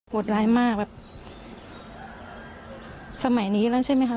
ดร้ายมากแบบสมัยนี้แล้วใช่ไหมคะ